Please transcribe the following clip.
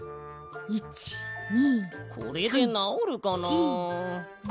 これでなおるかな？